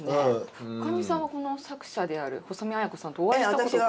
女将さんはこの作者である細見綾子さんとお会いしたことが。